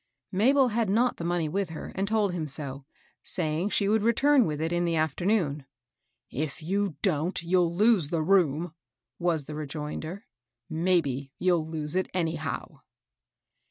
Mabel had not the money with her, and told him so, saying she would return with it in the af ternoon. " If you don't, you'll lose the room," was the rejoinder ;—" maybe you'll lose it ai^yhow."